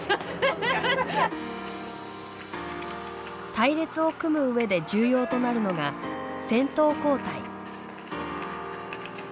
隊列を組む上で重要となるのが先頭交代。